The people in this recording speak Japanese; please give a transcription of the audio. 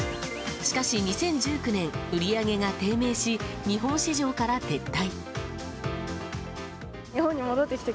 しかし、２０１９年売り上げが低迷し日本市場から撤退。